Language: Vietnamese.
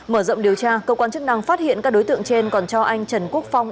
mở rộng điều tra cơ quan chức năng phát hiện các đối tượng trên còn cho anh trần quốc phong